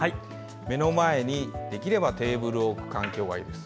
目の前にできればテーブルのある環境がいいです。